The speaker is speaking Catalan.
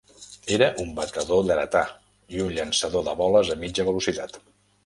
Era un batedor dretà i un llançador de boles a mitja velocitat.